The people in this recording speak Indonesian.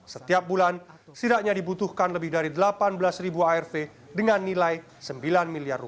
setiap bulan setidaknya dibutuhkan lebih dari delapan belas arv dengan nilai rp sembilan miliar